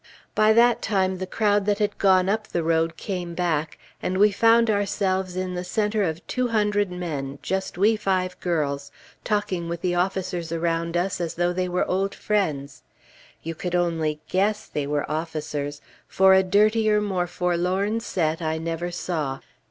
By that time the crowd that had gone up the road came back, and we found ourselves in the centre of two hundred men, just we five girls, talking with the officers around us as though they were old friends. You could only guess they were officers, for a dirtier, more forlorn set I never saw.